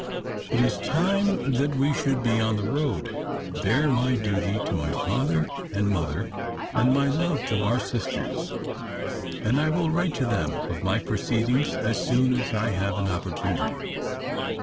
"It is time that we should be on our road. Bear my duty to my father and mother and my love to our sisters, and I will write to them of my proceedings as soon as I have an opportunity."